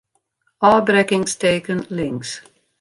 Ofbrekkingsteken links.